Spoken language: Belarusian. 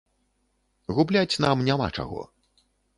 Губляць нам няма чаго.